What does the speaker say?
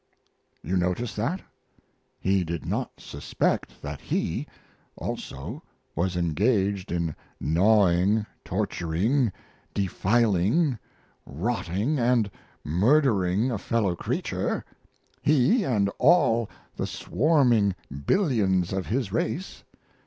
You notice that? He did not suspect that he, also, was engaged in gnawing, torturing, defiling, rotting, and murdering a fellow creature he and all the swarming billions of his race.